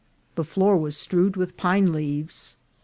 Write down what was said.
The floor was strewed with pine leaves.